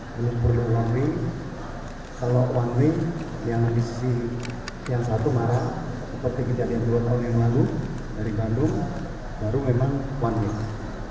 belum perlu ulangi kalau one way yang di sisi yang satu marah seperti kejadian dua tahun yang lalu dari bandung baru memang one way